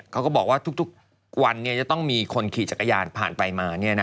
เขาก็บอกว่าทุกวันจะต้องมีคนขี่จักรยานผ่านไปมา